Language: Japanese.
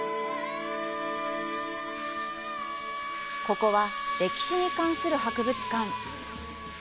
ここは歴史に関する博物館。